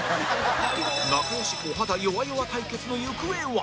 仲良しお肌よわよわ対決の行方は？